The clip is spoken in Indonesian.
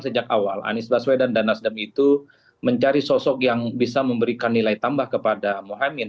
sejak awal anies baswedan dan nasdem itu mencari sosok yang bisa memberikan nilai tambah kepada mohaimin